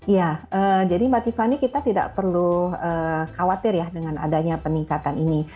ya jadi mbak tiffany kita tidak perlu khawatir ya dengan adanya peningkatan ini